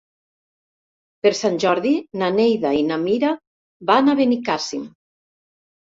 Per Sant Jordi na Neida i na Mira van a Benicàssim.